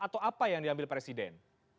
atau apa yang diambil presiden